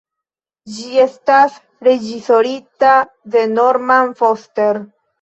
Ĝi estis reĝisorita de Norman Foster.